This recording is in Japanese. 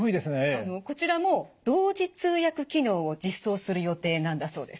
こちらも同時通訳機能を実装する予定なんだそうです。